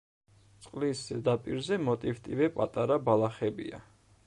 წყლის ზედაპირზე მოტივტივე პატარა ბალახებია.